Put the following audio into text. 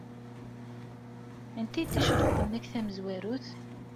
Anta ay d ticreḍt-nnek tamezwarut?